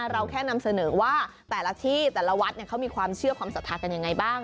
เราแค่นำเสนอว่าแต่ละที่แต่ละวัดเขามีความเชื่อความศรัทธากันยังไงบ้าง